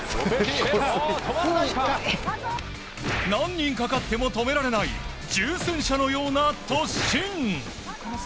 何人かかかっても止められない重戦車のような突進。